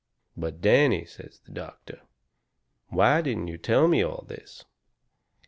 "But, Danny," says the doctor, "why didn't you tell me all this?"